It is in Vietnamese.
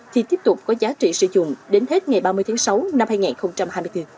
thì tiếp tục có giá trị sử dụng đến hết ngày ba mươi tháng sáu năm hai nghìn hai mươi bốn